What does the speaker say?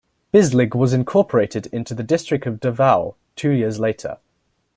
Bislig was incorporated into the District of Davao two years later.